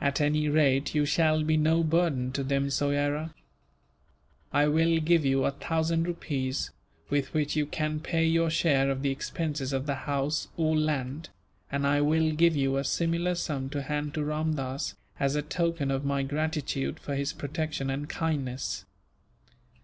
"At any rate, you shall be no burden to them, Soyera. I will give you a thousand rupees, with which you can pay your share of the expenses of the house or land; and I will give you a similar sum to hand to Ramdass, as a token of my gratitude for his protection and kindness.